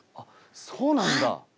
そうなんだ。